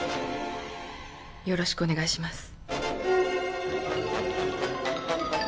よろしくお願いします。